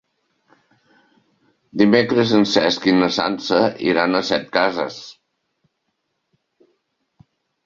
Dimecres en Cesc i na Sança iran a Setcases.